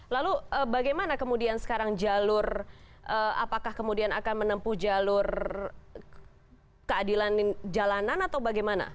lalu bagaimana kemudian sekarang jalur apakah kemudian akan menempuh jalur keadilan jalanan atau bagaimana